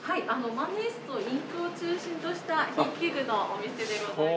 万年筆とインクを中心とした筆記具のお店でございます。